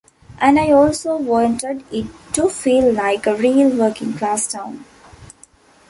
And I also wanted it to feel like a real working class town.